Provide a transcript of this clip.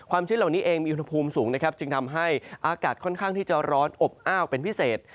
ชื้นเหล่านี้เองมีอุณหภูมิสูงนะครับจึงทำให้อากาศค่อนข้างที่จะร้อนอบอ้าวเป็นพิเศษ